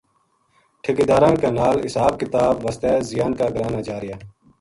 ٹھیکیداراں کے نال حساب کتاب وس زیان کا گراں نا جا رہیا